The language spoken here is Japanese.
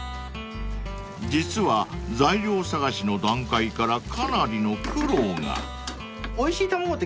［実は材料探しの段階からかなりの苦労が］火が入ると。